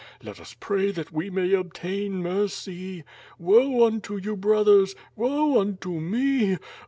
... Let us pray that we may ol)tain mercy. Woe unto you, brothers! Woe unto me!